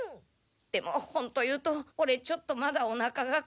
でもほんと言うとオレちょっとまだおなかが苦しい。